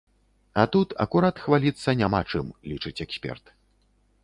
А тут, акурат, хваліцца няма чым, лічыць эксперт.